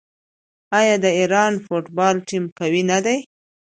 آیا د ایران فوټبال ټیم قوي نه دی؟